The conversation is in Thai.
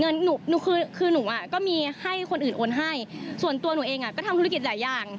หนูหนูคือคือหนูอ่ะก็มีให้คนอื่นโอนให้ส่วนตัวหนูเองอ่ะก็ทำธุรกิจหลายอย่าง